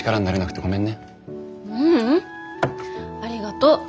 ありがとう。